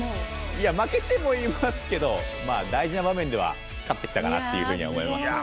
いや負けてもいますけど大事な場面では勝ってきたかなっていうふうには思いますね。